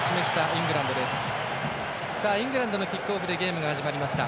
イングランドのキックオフでゲームが始まりました。